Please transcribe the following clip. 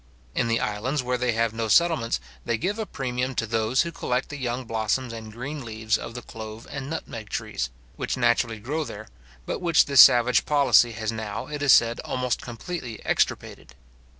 In the islands where they have no settlements, they give a premium to those who collect the young blossoms and green leaves of the clove and nutmeg trees, which naturally grow there, but which this savage policy has now, it is said, almost completely extirpated.